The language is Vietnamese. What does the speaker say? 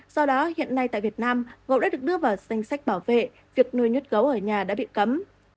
do đó hiện nay tại việt nam gấu đã được đưa vào danh sách bảo vệ việc nuôi nhốt gấu ở nhà đã bị cấm